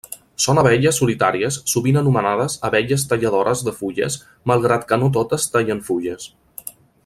Són abelles solitàries sovint anomenades abelles talladores de fulles malgrat que no totes tallen fulles.